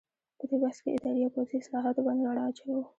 په دې بحث کې اداري او پوځي اصلاحاتو باندې رڼا اچوو.